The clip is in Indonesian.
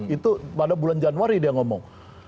itu pada bulan januari dia ngomong